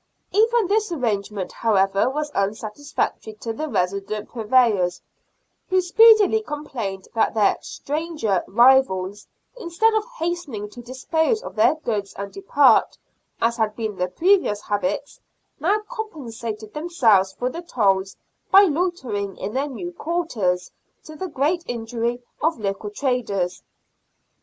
Even this arrangement, however, was unsatisfactory to the resident purveyors, who speedily complained that their " stranger " rivals, instead of hastening to dispose of their goods and depart — as had been their previous habits — now compensated themselves for the tolls by loitering in their new quarters, to the great injury of local traders.